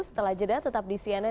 setelah jeda tetap di cnn